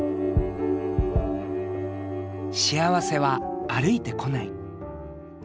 幸せは歩いてこない。